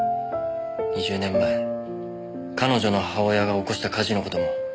２０年前彼女の母親が起こした火事の事も。